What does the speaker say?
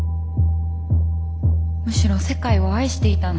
むしろ世界を愛していたのに。